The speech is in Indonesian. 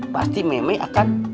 pasti memi akan